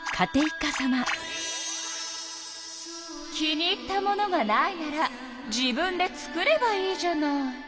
気に入ったものがないなら自分で作ればいいじゃない。